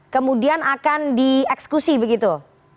kemudian akan dieksekusi begitu